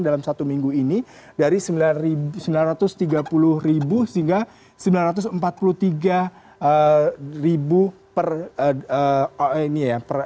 dalam satu minggu ini dari rp sembilan ratus tiga puluh sehingga rp sembilan ratus empat puluh tiga per gram